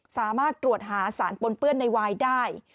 สามารถตรวจหาสารปนเปื้อนในวายได้